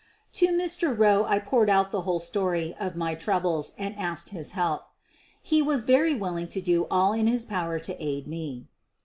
To Mr. Eowe I poured out the whole story of my troubles and asked his help. He was very willing to do all in his power to aid me.